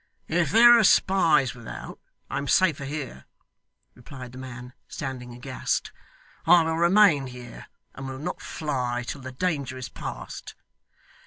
'If there are spies without, I am safer here,' replied the man, standing aghast. 'I will remain here, and will not fly till the danger is past.